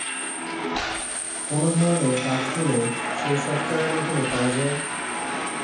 কোন ধরণের কাজগুলো সেই সফটওয়্যারের মাধ্যমে করা যায়?